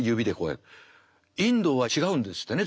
インドは違うんですってね